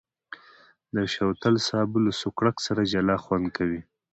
د شوتل سابه له سوکړک سره جلا خوند کوي.